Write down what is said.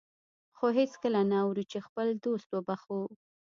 خو هېڅکله نه اورو چې خپل دوست وبخښو.